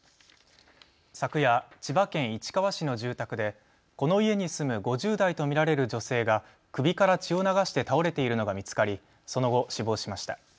昨夜、千葉県市川市の住宅でこの家に住む５０代と見られる女性が首から血を流して倒れているのが見つかりその後、死亡しました。